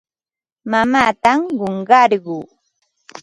Mamaatam qunqarquu.